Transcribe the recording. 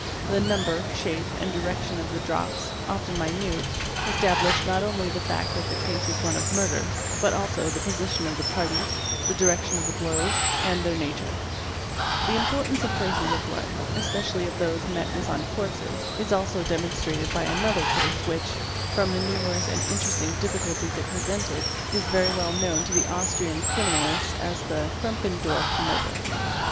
The number, shape, and direction + of the drops, often minute, established not only the fact that the case was one of murder, but also the position of the parties, the direction of the blows, and their nature), _ he importance of traces of blood, especially of those met with on "corpses, is also demonstrated by another case which, from the numerous and interesting difficulties it presented, is very well known to Austrian criminalists as the '' Krwmpendorf murder''.